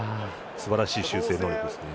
すばらしい修正能力ですね。